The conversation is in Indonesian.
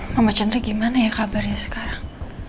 mama chandra gimana ya kabarnya sekarang